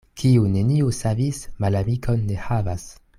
Kiu neniun savis, malamikon ne havas.